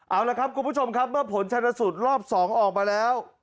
เอาละครับคุณผู้ชมครับเมื่อผลชนสูตรรอบ๒ออกมาแล้ว